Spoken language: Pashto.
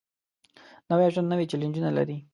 نوی ژوند نوې چیلنجونه لري